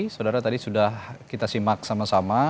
saudara tadi sudah kita simak sama sama